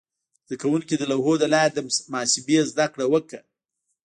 زده کوونکي د لوحو له لارې د محاسبې زده کړه وکړه.